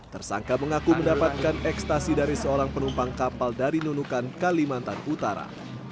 tersangka mengaku mendapatkan ekstasi dari seorang penumpang kapal dari nunukan kalimantan utara